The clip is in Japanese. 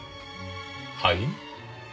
はい？